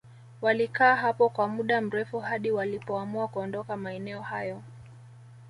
Walikaa hapo kwa muda mrefu hadi walipoamua kuondoka maeneo hayo